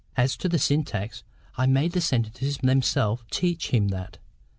As to the syntax, I made the sentences themselves teach him that.